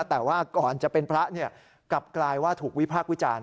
แต่ว่าก่อนจะเป็นพระกลับกลายว่าถูกวิพากษ์วิจารณ์